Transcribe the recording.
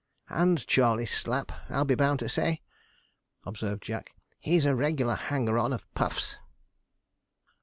'And Charley Slapp, I'll be bund to say,' observed Jack. 'He a regular hanger on of Puff's.'